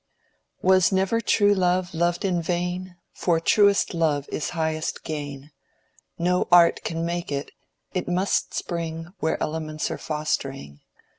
Was never true love loved in vain, For truest love is highest gain. No art can make it: it must spring Where elements are fostering.